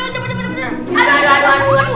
sampai di depan aja udah